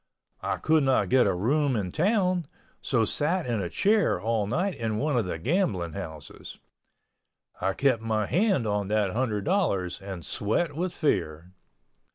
I could not get a room in town, so sat in a chair all night in one of the gambling houses. I kept my hand on that hundred dollars and sweat with fear.